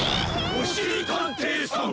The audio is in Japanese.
おしりたんていさん！